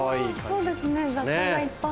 そうですね雑貨がいっぱい。